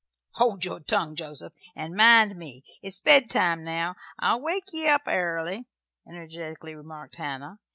"Hold your tongue, Joseph, 'n' mind me. It's bedtime now, but I'll wake ye up airly," energetically remarked Hannah.